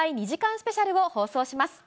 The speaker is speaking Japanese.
スペシャルを放送します。